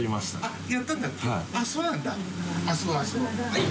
はい。